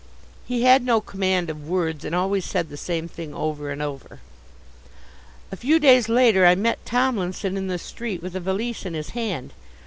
He had no command of words, and always said the same thing over and over. A few days later I met Tomlinson in the street with a valise in his hand.